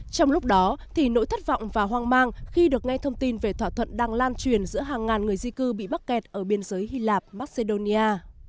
trong lúc đó thì nỗi thất vọng và hoang mang khi được nghe thông tin về thỏa thuận đang lan truyền giữa hàng ngàn người di cư bị mắc kẹt ở biên giới hy lạp macedonia